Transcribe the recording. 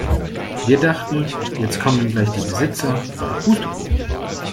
Wir dachten, jetzt kommen gleich die Besitzer, aber Pustekuchen.